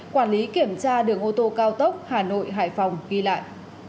quản lý kiểm tra đường ô tô cao tốc hà nội hải phòng ghi lại